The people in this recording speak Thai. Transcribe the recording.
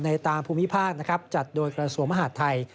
ในตามภูมิภาคจัดโดยกระโสมหาดไทย